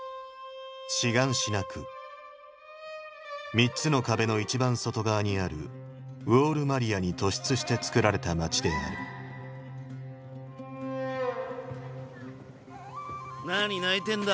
３つの壁の一番外側にある「ウォール・マリア」に突出して作られた街であるなに泣いてんだ？